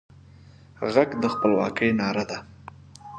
غږ د خپلواکۍ ناره ده